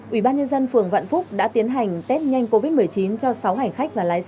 ubnd phường vạn phúc đã tiến hành test nhanh covid một mươi chín cho sáu hành khách và lái xe